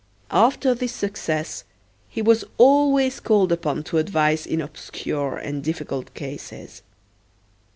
After this success he was always called upon to advise in obscure and difficult cases.